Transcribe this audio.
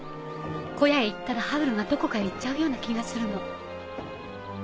小屋へ行ったらハウルがどこかへ行っちゃうような気がするの。